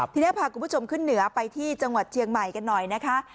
ทีนี้พาคุณผู้ชมขึ้นเหนือไปที่จังหวัดเชียงใหม่กันหน่อยนะคะ